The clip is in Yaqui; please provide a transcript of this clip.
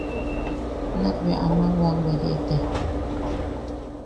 Nak bea aman wam weye tea.